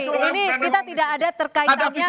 ini kita tidak ada terkaitannya